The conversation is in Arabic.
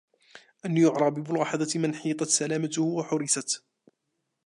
أَنْ يَعْرَى بِمُلَاحَظَةِ مِنْ حِيطَتْ سَلَامَتُهُ وَحُرِسَتْ